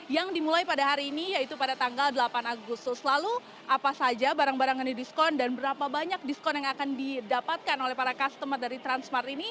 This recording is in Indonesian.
yang dimulai pada hari ini yaitu pada tanggal delapan agustus lalu apa saja barang barang yang didiskon dan berapa banyak diskon yang akan didapatkan oleh para customer dari transmart ini